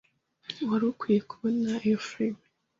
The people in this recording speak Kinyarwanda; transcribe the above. Wari ukwiye kubona iyo firime.